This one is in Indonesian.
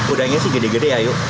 udangnya sih gede gede ya yuk